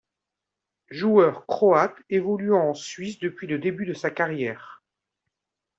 Joueur croate évoluant en Suisse depuis le début de sa carrière.